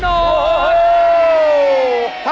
ดวงชะตา